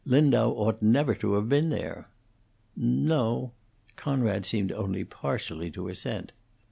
"Lindau ought never to have been there." "No." Conrad seemed only partially to assent.